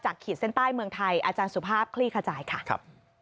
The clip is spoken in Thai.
ขีดเส้นใต้เมืองไทยอาจารย์สุภาพคลี่ขจายค่ะ